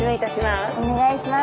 お願いします。